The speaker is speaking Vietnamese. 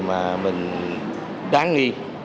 mà mình đáng nghi